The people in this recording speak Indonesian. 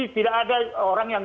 tidak ada orang yang